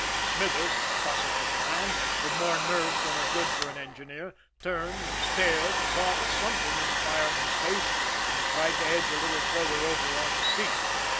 Smithers, a fussy little man, with more nerves than are good for an engineer, turned, stared, caught a something in the fireman's face and tried to edge a little farther over on his seat.